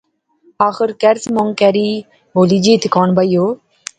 آخر قرض مانگ کری ہولی جئی دکان بائیوں